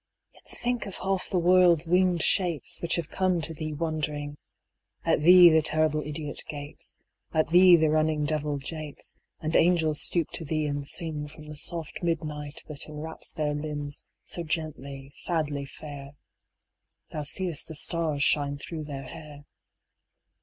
Yet think of half the world's winged shapes Which have come to thee wondering : At thee the terrible idiot gapes, At thee the running devil japes. And angels stoop to thee and sing THE WIZARD'S FUNERAL 15 From the soft midnight that enwraps Their limbs, so gently, sadly fair ;— Thou seest the stars shine through their hair.